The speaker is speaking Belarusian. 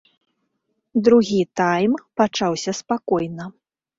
Другі тайм пачаўся спакойна.